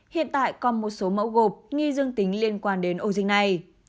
hiện tại còn một số mẫu gộp nghi dương tính liên quan đến ổ dịch này